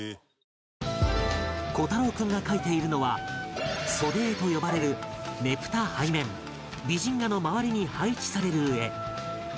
虎太朗君が描いているのは袖絵と呼ばれるねぷた背面美人画の周りに配置される絵